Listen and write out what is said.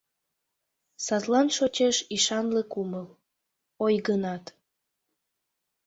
Садлан шочеш ӱшанле кумыл: ойгынат